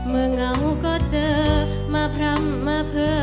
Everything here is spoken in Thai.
เมื่อเหงาก็เจอมาพร่ำมาเผิ้ล